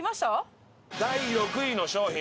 第６位の商品。